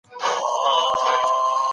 انسان د اخلاقو په درلودلو سره لوړیږي.